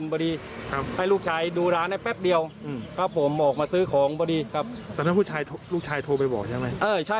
ใบกระท่อมเหรอนะฮะ